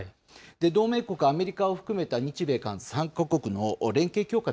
同盟国、アメリカを含めた日米韓３か国の連携強化